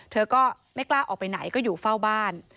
เธอก็ไม่กล้าออกไปไหนก็อยู่เฝ้าบ้าน